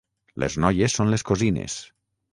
Les noies són les cosines.